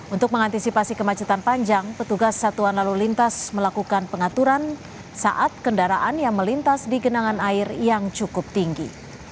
untuk mengantisipasi kemacetan panjang petugas satuan lalu lintas melakukan pengaturan saat kendaraan yang melintas di genangan air yang cukup tinggi